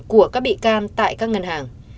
của các bị can tại các ngân hàng